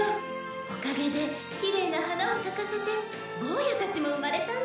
おかげできれいな花を咲かせて坊やたちも生まれたんですもの。